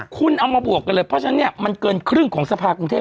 คุณเอามาบวกกันเลยเพราะฉะนั้นเนี่ยมันเกินครึ่งของสภากรุงเทพ